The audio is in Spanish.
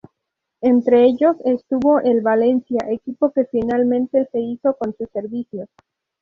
Entre ellos estuvo el Valencia, equipo que finalmente se hizo con sus servicios.